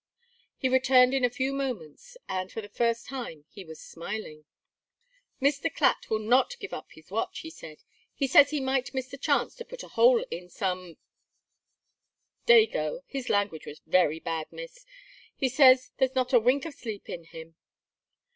He returned in a few moments, and for the first time he was smiling. "Mr. Clatt will not give up his watch," he said. "He says he might miss the chance to put a hole in some dago (his language was very bad, Miss). He says there's not a wink of sleep in him."